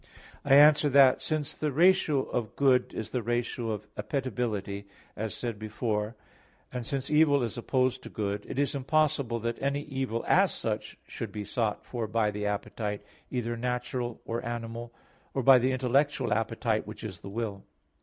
I answer that, Since the ratio of good is the ratio of appetibility, as said before (Q. 5, A. 1), and since evil is opposed to good, it is impossible that any evil, as such, should be sought for by the appetite, either natural, or animal, or by the intellectual appetite which is the will.